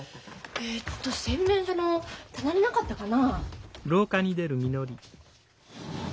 えっと洗面所の棚になかったかな。